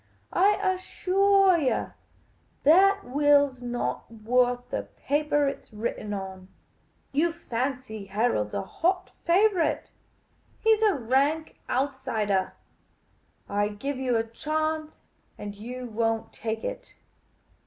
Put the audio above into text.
I assuah you that will 's not worth the paper it 's written on. You fancy Harold 's a hot favourite ; he 's a rank outsidah. I give you a chance, and you won't take it.